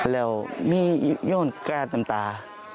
แล้วมีโยนแก๊สน้ำตา